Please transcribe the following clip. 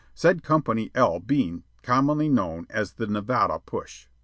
said Company L being commonly known as the "Nevada push."